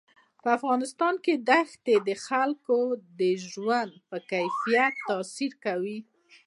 په افغانستان کې دښتې د خلکو د ژوند په کیفیت تاثیر کوي.